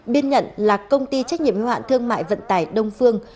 biên nhận là công ty trách nhiệm hoạn thương mại vận tải đông phương